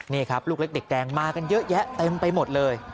นี่ครับลูกเล็กเด็กแดงมากันเยอะแยะเต็มไปหมดเลย